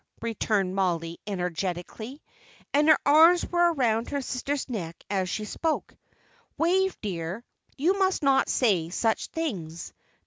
returned Mollie, energetically, and her arms were round her sister's neck as she spoke. "Wave, dear, you must not say such things.